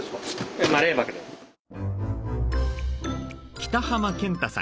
北濱健太さん。